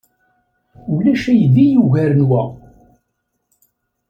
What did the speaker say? Ulac aydi yugaren wa.